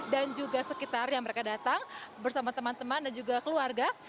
dan juga sekitar yang mereka datang bersama teman teman dan juga keluarga